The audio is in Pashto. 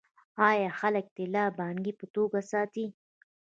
آیا خلک طلا د پانګې په توګه ساتي؟